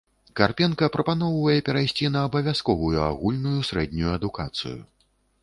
Карпенка прапаноўвае перайсці на абавязковую агульную сярэднюю адукацыю.